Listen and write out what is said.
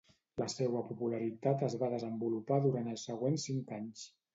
La seua popularitat es va desenvolupar durant els següents cinc anys.